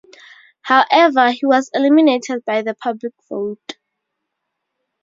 However, he was eliminated by the public vote.